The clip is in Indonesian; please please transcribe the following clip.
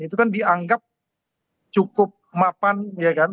itu kan dianggap cukup mapan ya kan